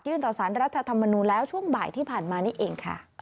ต่อสารรัฐธรรมนูลแล้วช่วงบ่ายที่ผ่านมานี่เองค่ะ